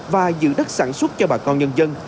và giữ đất sản xuất cho bà con nhân dân